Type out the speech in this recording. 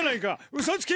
うそつき！